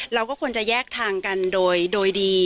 เราก็ควรจะแยกทางกันโดยดี